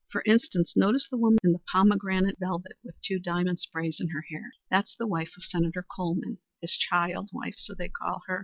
For instance, notice the woman in the pomegranate velvet with two diamond sprays in her hair. That's the wife of Senator Colman his child wife, so they call her.